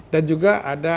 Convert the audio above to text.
dan juga ada